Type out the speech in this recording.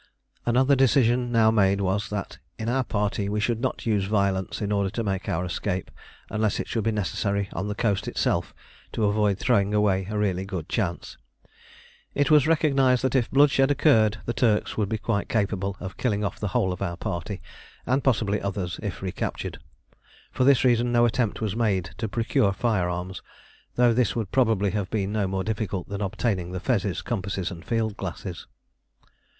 Another decision now made was that in our party we should not use violence in order to make our escape, unless it should be necessary on the coast itself to avoid throwing away a really good chance. It was recognised that if bloodshed occurred, the Turks would be quite capable of killing off the whole of our party, and possibly others, if recaptured. For this reason no attempt was made to procure firearms, though this would probably have been no more difficult than obtaining the fezes, compasses, and field glasses.